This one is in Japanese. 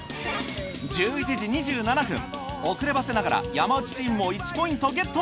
１１時２７分遅ればせながら山内チームも１ポイントゲット。